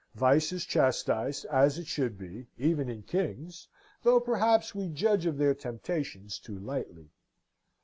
Vice is chastised, as it should be, even in kings, though perhaps we judge of their temptations too lightly.